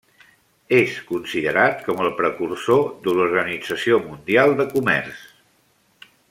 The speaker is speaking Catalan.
És considerat com el precursor de l'Organització Mundial de Comerç.